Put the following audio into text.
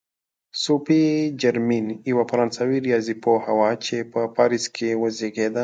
صوفي جرمین یوه فرانسوي ریاضي پوهه وه چې په پاریس کې وزېږېده.